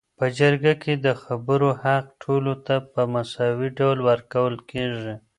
په جرګه کي د خبرو حق ټولو ته په مساوي ډول ورکول کيږي